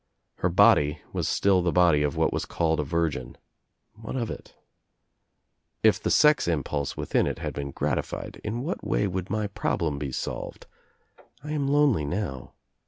Her body was still the body of what was called a virgin. What of it? "If the sex impulse within it had been gratified in what way would my problem be solved? I am lonely now.